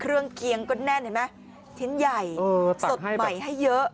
เคียงก็แน่นเห็นไหมชิ้นใหญ่สดใหม่ให้เยอะ